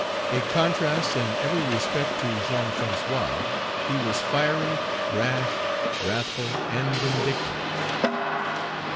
A contrast, in every respect, to Jean François, he was fiery, rash, wrathful, and vindictive.